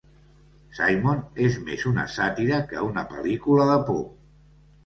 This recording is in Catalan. "Simon" és més una sàtira que una pel·lícula de por.